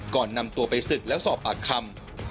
ก่อนนำตัวไปศึกแล้วสอบปากคำ